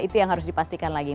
itu yang harus dipastikan lagi